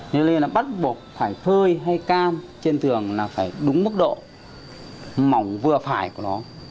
cho nên là bắt buộc phải phơi hay cam trên tường là phải đúng mức độ mỏng vừa phải của nó